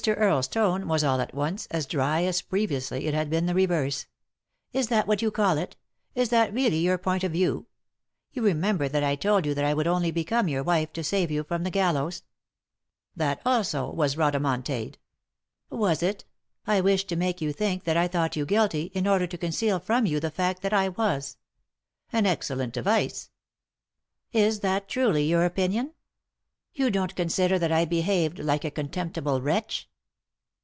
Earle's tone was, all at once, as dry as previously it had been the reverse. " Is that what you call it ? Is that really your point of view ? You remember that I told you that I would only become your wife to save you from the gallows?" 307 3i 9 iii^d by Google THE INTERRUPTED KISS "That, also, was rhodomontade." " Was it ? I wished to make 70a think that I thought yon guilty in order to conceal from yon the nict that I was." "An excellent device." " Is that truly your opinion ? You don't consider that I behaved like a contemptible wretch